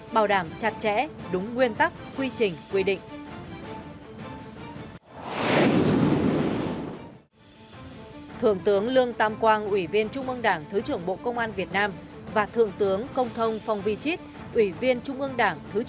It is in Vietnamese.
bảo đảm chặt chẽ đúng nguyên tắc quy trình quy định